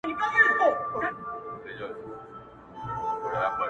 اره اره سي نجارانو ته ځي!!